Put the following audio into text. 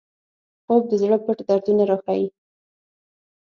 خوب د زړه پټ دردونه راښيي